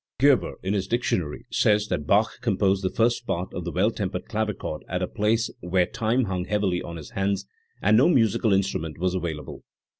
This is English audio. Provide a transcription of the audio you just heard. Gerber, in his Dictionary, says that Bach composed the First Part of the Well tempered Clavichord at a place where time hung heavily on his hands and no musical instrument was available.